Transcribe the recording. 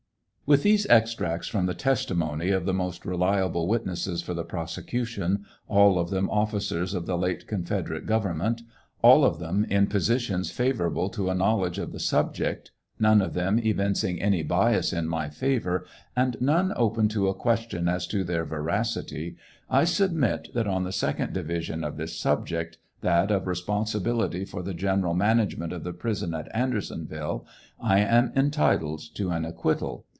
With these extracts from the testimony of the most reliable witnesses for the prosecution, all of them officers of the late confederate government, all of them in positions favorable to a knowledge of the subject, none of them evincing any bias in my favor, and none open to a question as to their veracity, 1 sub mit that on the second division of this subject, that of responsibility for the general management of the prison at Andersonville, I am entitled to an acquittal.